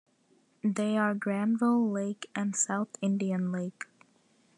They are Granville Lake and South Indian Lake.